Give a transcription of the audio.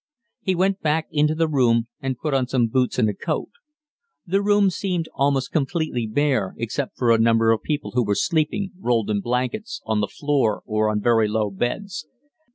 He went back into the room and put on some boots and a coat. The room seemed almost completely bare except for a number of people who were sleeping, rolled in blankets, on the floor or on very low beds.